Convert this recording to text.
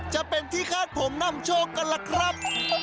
จะเป็นที่คาดผมนำโชคกันล่ะครับ